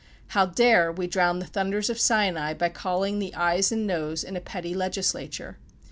How dare we drown the thunders of Sinai by calling the ayes and noes in a petty legislature?